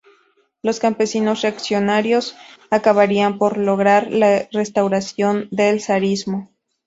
Los campesinos, reaccionarios, acabarían por lograr la restauración del zarismo.